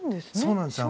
そうなんです。